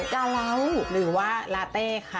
กาเล้าหรือว่าลาเต้ค่ะ